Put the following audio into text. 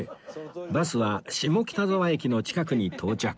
バスは下北沢駅の近くに到着